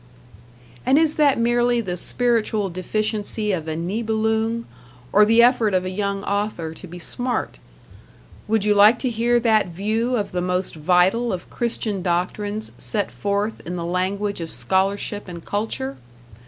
And is that merely the spiritual deficiency of a Nibelung or the effort of a young author to be smart? Would you like to hear that view of the most vital of Christian doctrines set forth in the language of scholarship and culture?